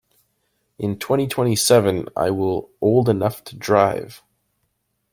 In twenty-twenty-seven I will old enough to drive.